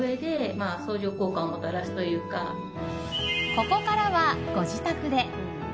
ここからは、ご自宅で。